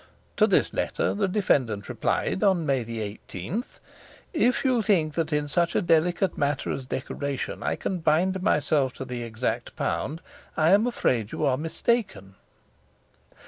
To this letter the defendant replied on May 18: 'If you think that in such a delicate matter as decoration I can bind myself to the exact pound, I am afraid you are mistaken.